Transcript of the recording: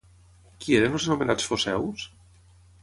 Qui eren els anomenats foceus?